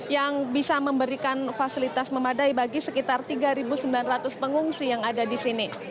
yang bisa memberikan fasilitas memadai bagi sekitar tiga sembilan ratus pengungsi yang ada di sini